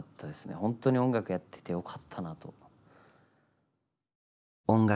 本当に音楽やっててよかったなと。